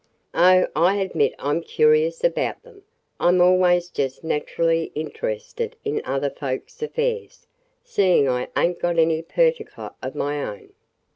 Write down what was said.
"Oh, I admit I 'm curious about them. I 'm always just naturally interested in other folks' affairs, seeing I ain't got any perticaler of my own!